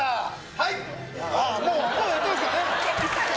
はい！